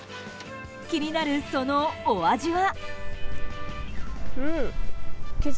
気になる、そのお味は。